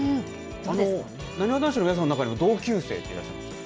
なにわ男子の皆さんの中にも同級生っていらっしゃいますか？